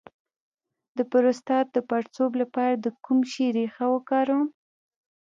د پروستات د پړسوب لپاره د کوم شي ریښه وکاروم؟